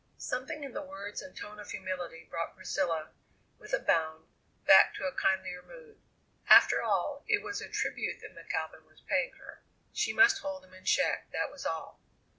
Something in the words and tone of humility brought Priscilla, with a bound, back to a kindlier mood. After all, it was a tribute that McAlpin was paying her. She must hold him in check, that was all.